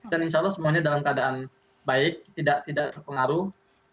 dan insya allah semuanya dalam keadaan baik tidak terpengaruh